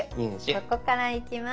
ここからいきます。